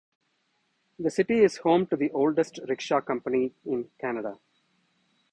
The city is home to the oldest rickshaw company in Canada.